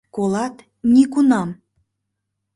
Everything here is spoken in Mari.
Колат, нигунам!